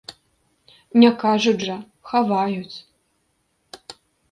Не кажуць жа, хаваюць.